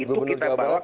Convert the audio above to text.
apalagi kalau paspor itu